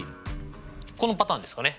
このパターンですかね。